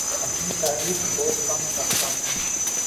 اپنی تعریف بہت کم کرتا ہوں